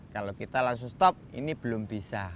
kalau kita langsung stop ini belum bisa